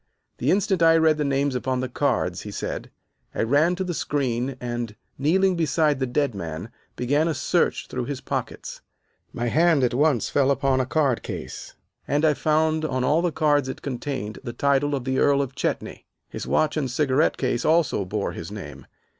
"The instant I read the names upon the cards," he said, "I ran to the screen and, kneeling beside the dead man, began a search through his pockets. My hand at once fell upon a card case, and I found on all the cards it contained the title of the Earl of Chetney. His watch and cigarette case also bore his name.